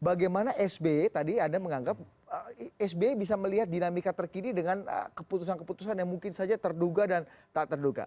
bagaimana sby tadi anda menganggap sby bisa melihat dinamika terkini dengan keputusan keputusan yang mungkin saja terduga dan tak terduga